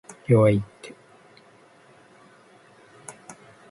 弱いって